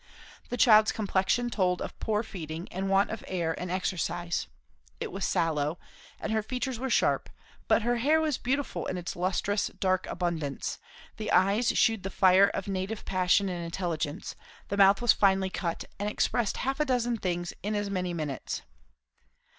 The child's complexion told of poor feeding and want of air and exercise; it was sallow, and her features were sharp; but her hair was beautiful in its lustrous, dark abundance; the eyes shewed the fire of native passion and intelligence; the mouth was finely cut and expressed half a dozen things in as many minutes.